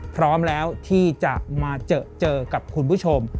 พร้อมแล้วที่จะมาเจอกับคุณผู้ชม